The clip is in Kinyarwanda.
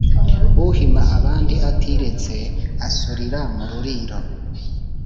Uhima abandi atiretse asurira mu ruriro